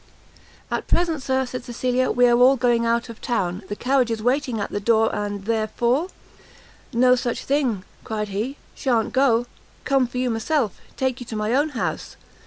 "At present, Sir," said Cecilia, "we are all going out of town; the carriage is waiting at the door, and therefore " "No such thing," cried he; "Sha'n't go; come for you myself; take you to my own house.